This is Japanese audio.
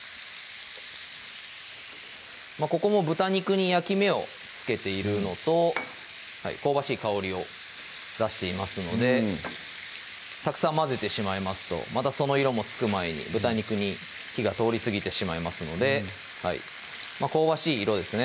ここも豚肉に焼き目をつけているのと香ばしい香りを出していますのでたくさん混ぜてしまいますとまたその色もつく前に豚肉に火が通りすぎてしまいますので香ばしい色ですね